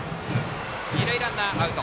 二塁ランナー、アウト。